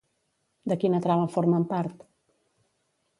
De quina trama formen part?